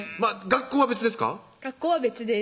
学校は別です